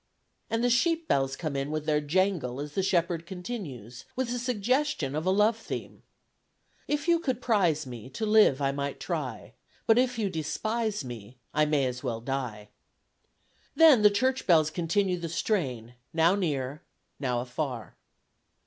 And the sheep bells come in with their jangle as the shepherd continues, with a suggestion of a love theme: If you could prize me To live I might try, But if you despise me I may as well die. Then the church bells continue the strain, now near, now afar.